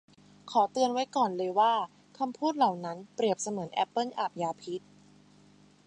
ขอเตือนไว้ก่อนเลยว่าคำพูดเหล่านั้นเปรียบเหมือนแอปเปิลอาบยาพิษ